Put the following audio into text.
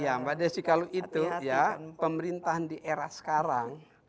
ya mbak desi kalau itu ya pemerintahan di era sekarang